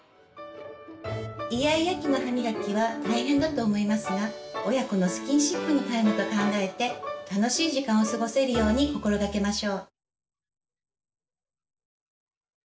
イヤイヤ期の歯みがきは大変だと思いますが親子のスキンシップのタイムと考えて楽しい時間を過ごせるように心がけましょう。